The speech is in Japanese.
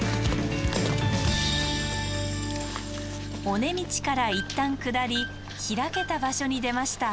尾根道からいったん下り開けた場所に出ました。